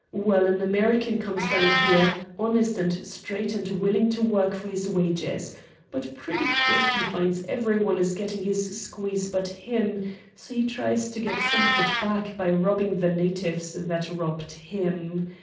Well, an American comes down here, honest and straight and willing to work for his wages. But pretty quick he finds every one is getting his squeeze but him, so he tries to get some of it back by robbing the natives that robbed him.